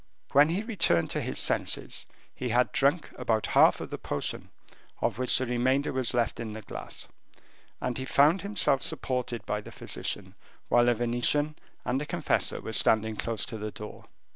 When he returned to his senses, he had drunk about half of the potion, of which the remainder was left in the glass, and he found himself supported by the physician, while the Venetian and the confessor were standing close to the door.